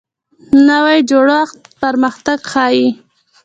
نوی جوړښت پرمختګ ښیي